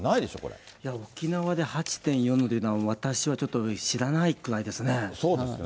沖縄で８．４度っていうのは、私はちょっと知らないくらいですね。